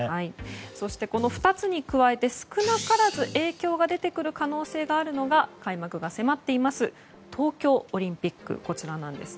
そして、この２つに加え少なからず影響が出てくる可能性があるのが開幕が迫っています東京オリンピック。